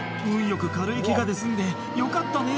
よく軽いケガで済んでよかったね